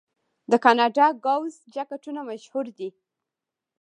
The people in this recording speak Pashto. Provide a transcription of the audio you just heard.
د کاناډا ګوز جاکټونه مشهور دي.